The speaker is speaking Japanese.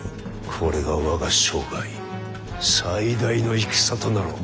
これが我が生涯最大の戦となろう。